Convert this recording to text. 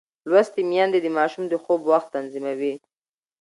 لوستې میندې د ماشوم د خوب وخت تنظیموي.